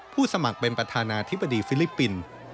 สมัครเป็นประธานาธิบดีฟิลิปปินส์